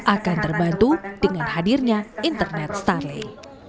akan terbantu dengan hadirnya internet starling